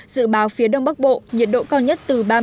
dự báo phía đông bắc bộ nhiệt độ cao nhất từ ba mươi năm